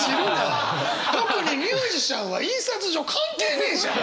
特にミュージシャンは印刷所関係ねえじゃん！